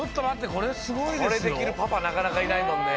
これできるパパなかなかいないもんね。